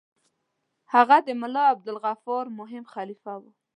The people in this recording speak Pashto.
هغه د ملا عبدالغفور مهم خلیفه وو.